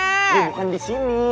ini bukan disini nih